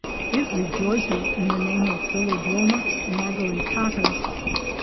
It rejoices in the name of Philodromus margaritatus.